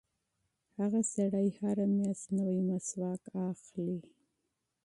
هغه سړی هره میاشت نوی مسواک اخلي.